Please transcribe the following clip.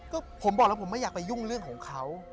ก็ผมบอกแล้วผมไม่อยากไปยุ่งเรื่องของเขา